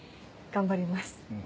頑張ります。